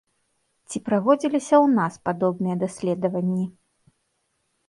Ці праводзіліся ў нас падобныя даследаванні?